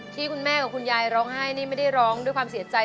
ที่คุณแม่กับคุณยายร้องไห้นี่ไม่ได้ร้องด้วยความเสียใจ